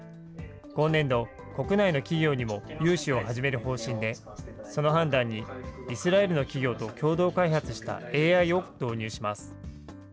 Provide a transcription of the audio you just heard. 今年度、国内の企業にも融資を始める方針で、その判断にイスラエルの企業と共同開発したＡＩを導入します。